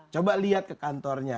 coba lihat ke kantornya